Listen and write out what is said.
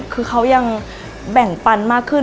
คือเขายังแบ่งปันมากขึ้น